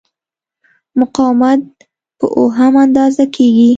مقاومت په اوهم اندازه کېږي.